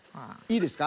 いいですか？